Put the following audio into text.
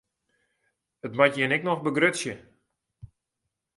It moat jin ek noch begrutsje.